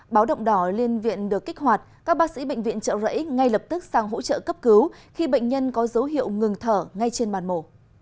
báo động đỏ liên viện được kích hoạt các bác sĩ bệnh viện trợ rẫy ngay lập tức sang hỗ trợ cấp cứu khi bệnh nhân có dấu hiệu ngừng thở ngay trên bàn mổ